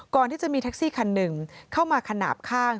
ก่อนที่จะมีแท็กซี่คันหนึ่งเข้ามาขนาดข้าง